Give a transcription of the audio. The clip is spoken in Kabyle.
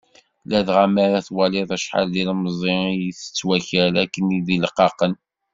Ladɣa mi ara twaliḍ acḥal d ilemẓi i itett wakal akken d ileqqaqen.